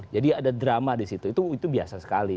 jadi ada drama di situ itu biasa sekali